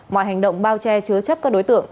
mọi hành động bao che chứa chấp các đối tượng